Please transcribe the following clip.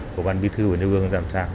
của bàn vi thư của nêu gương làm sao